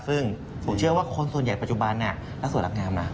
ซึ่งผมเชื่อว่าคนส่วนใหญ่ปัจจุบันหน้าสวยรักงามนะ